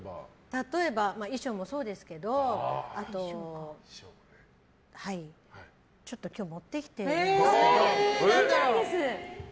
例えば衣装もそうですけどあと、ちょっと今日持ってきてるんですけど。